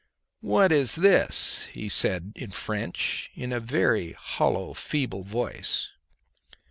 "What is this?" said he in French, in a very hollow feeble voice.